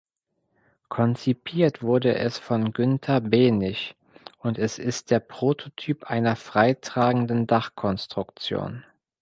Konzipiert wurde es von Günter Behnisch und es ist der Prototyp einer freitragenden Dachkonstruktion.